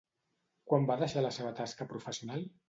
Quan va deixar la seva tasca professional?